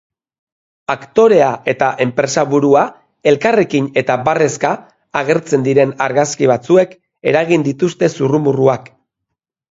Aktorea eta enpresaburua elkarrekin eta barrezka agertzen diren argazki batzuek eragin dituzte zurrumurruak.